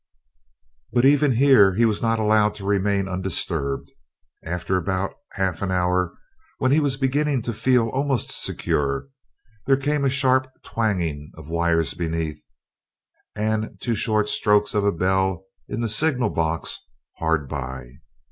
But even here he was not allowed to remain undisturbed; after about half an hour, when he was beginning to feel almost secure, there came a sharp twanging of wires beneath, and two short strokes of a bell in the signal box hard by.